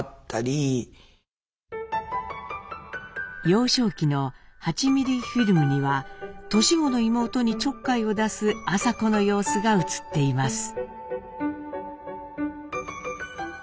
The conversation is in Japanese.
幼少期の８ミリフィルムには年子の妹にちょっかいを出す麻子の様子が映っています。